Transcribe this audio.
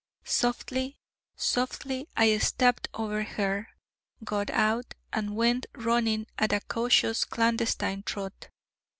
Softly, softly, I stept over her, got out, and went running at a cautious clandestine trot.